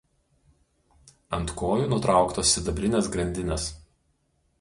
Ant kojų nutrauktos sidabrinės grandinės.